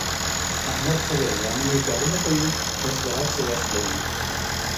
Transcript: احمد ښه دی زامن یې کارونه کوي، اوس د هر څه وس لري.